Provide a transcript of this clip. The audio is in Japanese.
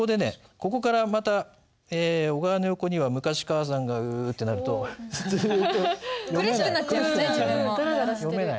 ここからまた「小川の横には昔母さんが」うってなるとずっと読めなくなっちゃう苦しくなっちゃう読めない。